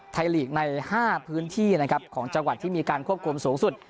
ลีกใน๕พื้นที่นะครับของจังหวัดที่มีการควบคุมสูงสุด